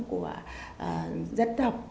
của dân tộc